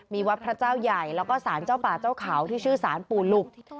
มีวัดพระเจ้าใหญ่แล้วก็สารเจ้าป่าเจ้าเขาที่ชื่อสารปู่หลุก